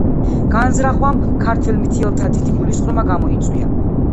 განზრახვამ ქართველ მთიელთა დიდი გულისწყრომა გამოიწვია.